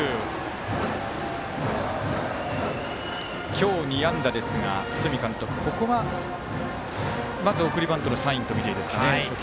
今日２安打ですが、堤監督ここはまず送りバントのサインとみていいですかね、初球。